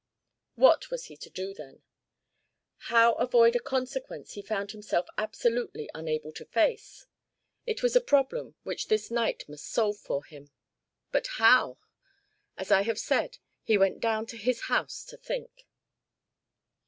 What was he to do then? How avoid a consequence he found himself absolutely unable to face? It was a problem which this night must solve for him. But how? As I have said, he went down to his house to think.